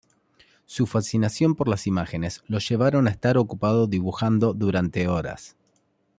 Su fascinación por las imágenes lo llevaron a estar ocupado dibujando durante horas.